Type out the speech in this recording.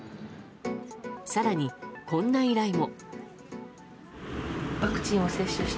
更に、こんな依頼も。